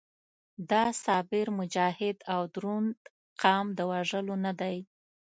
دا صابر، مجاهد او دروند قام د وژلو نه دی.